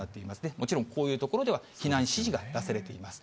もちろん、こういう所では避難指示が出されています。